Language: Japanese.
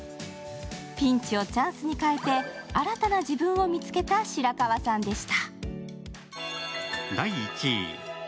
ピンチをチャンスに変えて新たな自分を見つけた白川さんでした。